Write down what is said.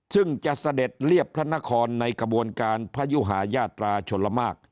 ซึ่งจะเสด็จเรียบพระนครในกระบวนการพยุหายาตราชลมาก